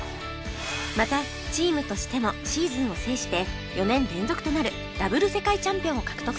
またチームとしてもシーズンを制して４年連続となるダブル世界チャンピオンを獲得しました